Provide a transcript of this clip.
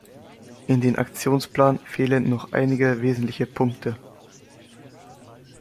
In dem Aktionsplan fehlen noch einige wesentliche Punkte.